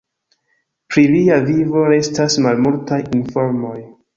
Pri lia vivo restas malmultaj informoj.